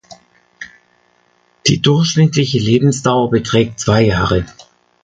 Die durchschnittliche Lebensdauer beträgt zwei Jahre.